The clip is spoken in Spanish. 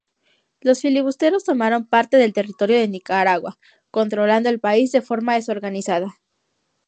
Los filibusteros tomaron parte del territorio de Nicaragua, controlando el país de forma desorganizada.